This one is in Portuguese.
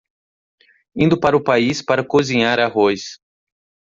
Indo para o país para cozinhar arroz